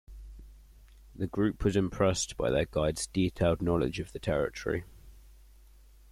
The group was impressed by their guide's detailed knowledge of the territory.